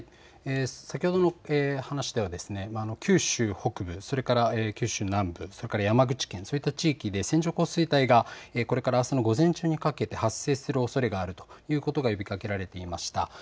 先ほどの話では九州北部それから九州南部それから山口県、そういった地域で線状降水帯がこれからあすの午前中にかけて発生するおそれがあるということが呼びかけられていました。